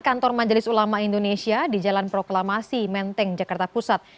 kantor majelis ulama indonesia di jalan proklamasi menteng jakarta pusat